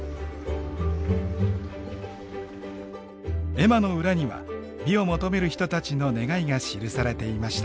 絵馬の裏には美を求める人たちの願いが記されていました。